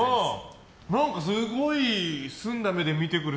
すごい澄んだ目で見てくる。